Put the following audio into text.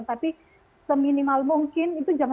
tapi seminimal mungkin